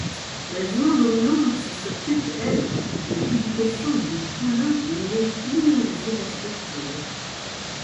La jument dominante s'occupe, elle, de l'éducation des poulains les plus irrespectueux.